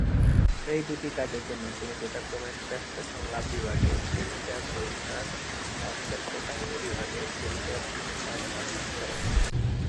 এই দুটি কাজের জন্য তিনি যথাক্রমে শ্রেষ্ঠ সংলাপ বিভাগে ফিল্মফেয়ার পুরস্কার ও শ্রেষ্ঠ কাহিনি বিভাগে ফিল্মফেয়ার পুরস্কার অর্জন করেন।